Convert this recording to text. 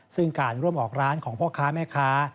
ซึ่งการร่วมออกร้านของพ่อค้าแม่ค้า